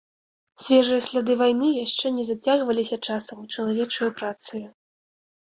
Свежыя сляды вайны яшчэ не зацягваліся часам і чалавечаю працаю.